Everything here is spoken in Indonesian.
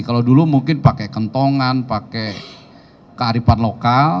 kalau dulu mungkin pakai kentongan pakai kearifan lokal